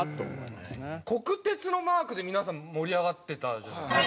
国鉄のマークで皆さん盛り上がってたじゃないですか。